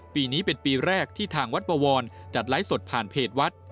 ปีนี้เป็นปีแรกที่ทางวัดบวรจัดไลฟ์สดผ่านเพจวัด